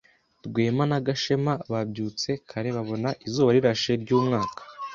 Rwema na Gashema babyutse kare babona izuba rirashe ryumwaka.